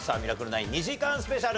９』２時間スペシャル。